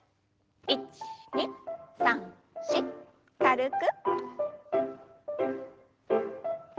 １２３４軽く。